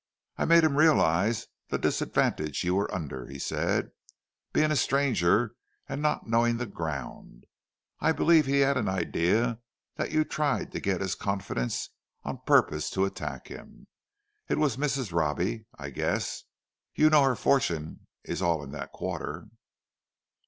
"I made him realize the disadvantage you were under," he said, "being a stranger and not knowing the ground. I believe he had an idea that you tried to get his confidence on purpose to attack him. It was Mrs. Robbie, I guess—you know her fortune is all in that quarter."